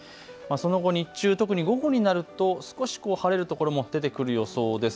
その後、日中、特に午後になると少し晴れるところも出てくる予想です。